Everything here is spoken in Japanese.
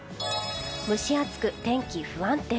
蒸し暑く、天気不安定。